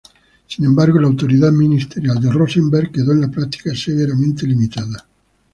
Sin embargo, la autoridad ministerial de Rosenberg quedó en la práctica severamente limitada.